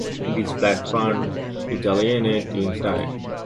It is "flat front Italianate" in style.